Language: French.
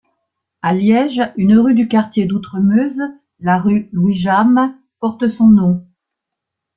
À Liège une rue du quartier d'Outremeuse, la rue Louis Jamme, porte son nom.